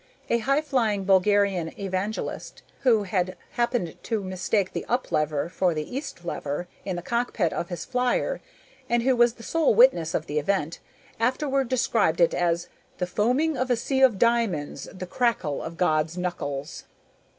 A high flying Bulgarian evangelist, who had happened to mistake the up lever for the east lever in the cockpit of his flier and who was the sole witness of the event, afterward described it as "the foaming of a sea of diamonds, the crackle of God's knuckles."